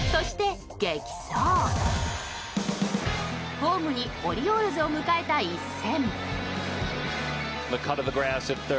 ホームにオリオールズを迎えた一戦。